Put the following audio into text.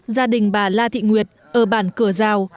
gia đình bà la thị nguyệt ở bản cửa rào